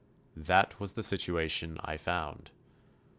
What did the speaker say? That was the situation I found.